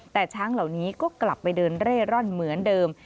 แต่ช้างเหล่านี้ก็กลับไปเดินเร่ร่อนเหมือนเดิม